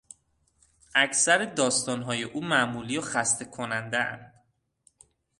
اکثر داستانهای او معمولی و خسته کنندهاند.